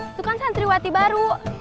itu kan santriwati baru